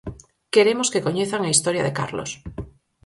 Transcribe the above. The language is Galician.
Queremos que coñezan a historia de Carlos.